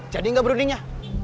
jadi nggak berundingnya